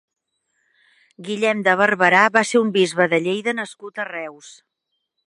Guillem de Barberà va ser un bisbe de Lleida nascut a Reus.